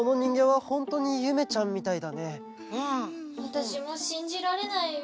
わたしもしんじられないよ。